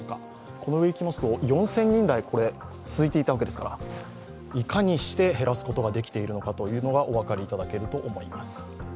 この上にいきますと４０００人台続いていたわけですからいかにして減らすことができているのかというのがお分かりいただけると思います。